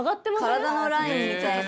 体のラインみたいな。